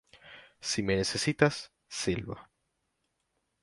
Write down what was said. Si me necesitas, silba